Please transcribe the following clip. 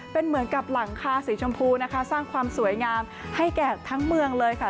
เป็นเหมือนกับหลังคาสีชมพูนะคะสร้างความสวยงามให้แก่ทั้งเมืองเลยค่ะ